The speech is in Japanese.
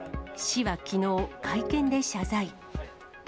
市はきのう、会見で謝罪。